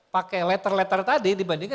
pakai letter letter tadi dibandingkan